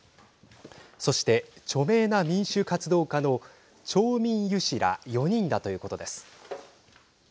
そして、著名な民主活動家のチョー・ミン・ユ氏ら４人だということです。